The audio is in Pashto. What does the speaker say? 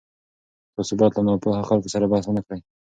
تاسو باید له ناپوهه خلکو سره بحث ونه کړئ.